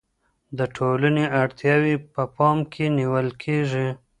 د ټولني اړتياوې په پام کي نیول کيږي.